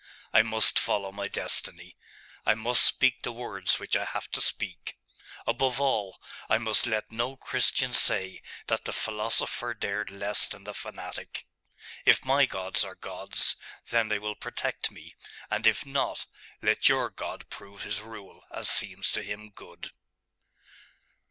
I must follow my destiny. I must speak the words which I have to speak. Above all, I must let no Christian say, that the philosopher dared less than the fanatic. If my Gods are Gods, then will they protect me: and if not, let your God prove His rule as seems to Him good.